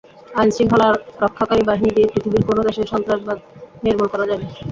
আইনশৃঙ্খলা রক্ষাকারী বাহিনী দিয়ে পৃথিবীর কোনো দেশেই সন্ত্রাসবাদ নির্মূল করা যায়নি।